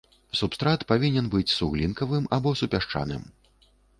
Субстрат павінен быць суглінкавым або супясчаным.